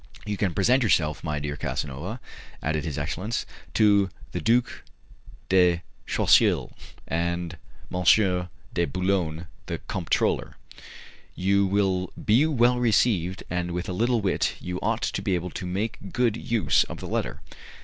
"You can present yourself, my dear Casanova," added his excellence, "to the Duc de Choiseul, and M. de Boulogne, the comptroller. You will be well received, and with a little wit you ought to be able to make good use of the letter.